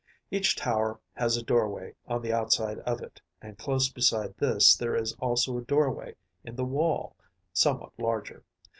Each tower has a doorway on the outside of it, and close beside this there is also a doorway in the wall, somewhat larger.